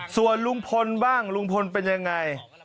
ส่วนลุงพลบ้างลุงพลเป็นยังไง